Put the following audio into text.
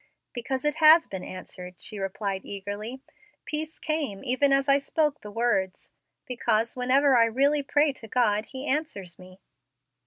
"Because it has been answered," she replied, eagerly. "Peace came even as I spoke the words. Because whenever I really pray to God he answers me."